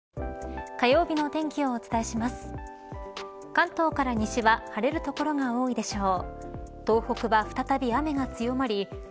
関東から西は晴れる所が多いでしょう。